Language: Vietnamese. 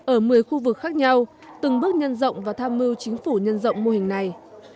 ở một mươi khu vực khác nhau từng bước nhân rộng và tham mưu chính phủ nhân rộng mô hình này